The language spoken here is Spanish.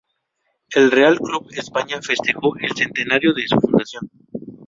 El Real Club España festejo el Centenario de su fundación.